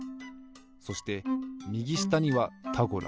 そしてみぎしたには「タゴラ」。